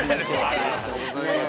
◆ありがとうございます。